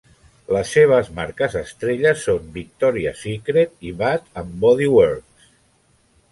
Les seves marques estrella són Victoria's Secret i Bath and Body Works.